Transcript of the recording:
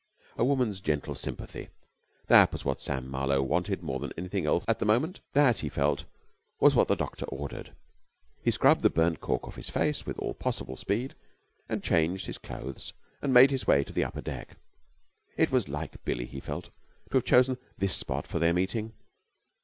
A woman's gentle sympathy, that was what Samuel Marlowe wanted more than anything else at the moment. That, he felt, was what the doctor ordered. He scrubbed the burnt cork off his face with all possible speed and changed his clothes and made his way to the upper deck. It was like Billie, he felt, to have chosen this spot for their meeting.